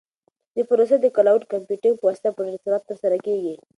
دا پروسه د کلاوډ کمپیوټینګ په واسطه په ډېر سرعت ترسره کیږي.